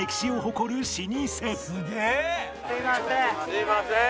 すいません。